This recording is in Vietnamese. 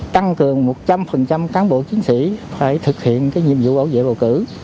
tăng cường một trăm linh cán bộ chiến sĩ phải thực hiện nhiệm vụ bảo vệ bầu cử